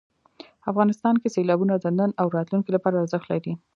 افغانستان کې سیلابونه د نن او راتلونکي لپاره ارزښت لري.